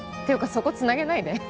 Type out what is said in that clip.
そこ繋げないで。